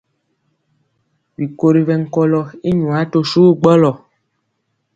Bikori ɓɛnkɔlɔ i nwaa to suwu gbɔlɔ.